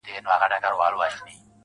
په هغه ورځ خدای ته هيڅ سجده نه ده کړې,